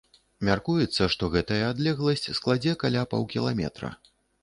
Мяркуецца, што гэтая адлегласць складзе каля паўкіламетра.